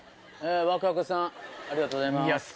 ワクワクさんありがとうございます。